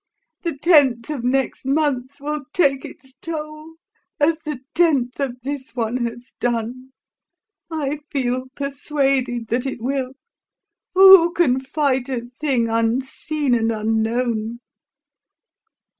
The tenth of next month will take its toll as the tenth of this one has done. I feel persuaded that it will. For who can fight a thing unseen and unknown?"